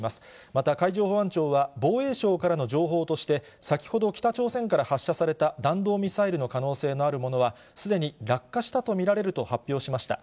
また、海上保安庁は防衛省からの情報として、先ほど北朝鮮から発射された弾道ミサイルの可能性のあるものは、すでに落下したと見られると発表しました。